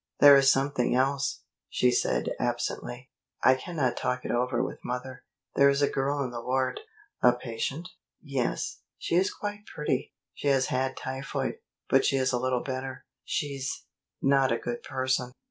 "There is something else," she said absently. "I cannot talk it over with mother. There is a girl in the ward " "A patient?" "Yes. She is quite pretty. She has had typhoid, but she is a little better. She's not a good person."